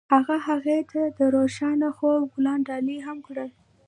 هغه هغې ته د روښانه خوب ګلان ډالۍ هم کړل.